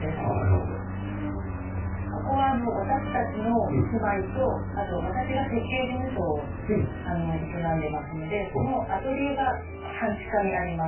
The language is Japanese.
ここは私たちの住まいとあと私が設計事務所を営んでますのでそのアトリエが半地下にあります。